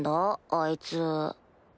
あいつ。